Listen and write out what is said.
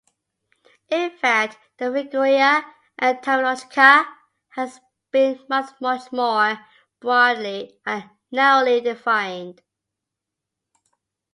In fact, the figura etymologica has been both much more broadly and narrowly defined.